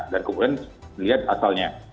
dan kemudian lihat asalnya